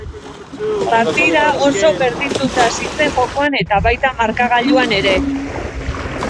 Partida oso berdinduta hasi zen jokoan eta baita markagailuan ere.